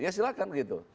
ya silakan gitu